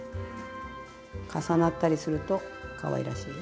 重なったりするとかわいらしいよ。